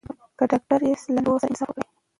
که ډاکټر یاست له ناروغ سره انصاف وکړئ.